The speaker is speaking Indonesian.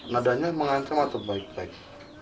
nadanya mengancam atau baik baik